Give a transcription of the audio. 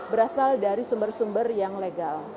berasal dari sumber sumber yang legal